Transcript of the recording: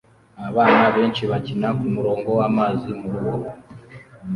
Abana benshi bakina kumurongo wamazi murugo